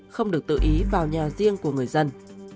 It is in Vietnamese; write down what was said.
không được tự ý vào nhà riêng của người dân